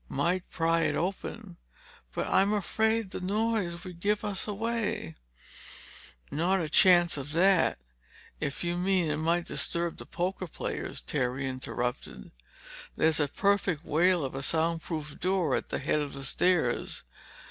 "Might pry it open. But I'm afraid the noise would give us away—" "Not a chance of that—if you mean it might disturb the poker players," Terry interrupted. "There's a perfect whale of a sound proof door at the head of the stairs.